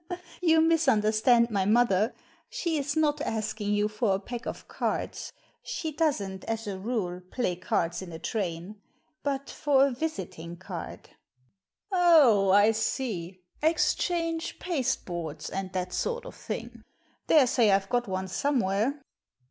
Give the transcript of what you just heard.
"You misunderstand my mother. She is not asking you for a pack of cards — she doesn't, as a rule, play cards in a train — ^but for a visiting card." " Oh ! I see. Exchange pasteboards and that sort of thing. Daresay I've got one somewhere."